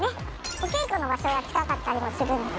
お稽古の場所が近かったりもするので。